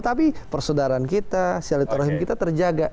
tapi persaudara kita syahidatul rahim kita terjaga